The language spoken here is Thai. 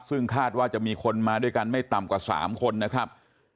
ซึ่งคาดว่าจะมีคนมาด้วยกันไม่ต่ำกว่า๓คนนะครับ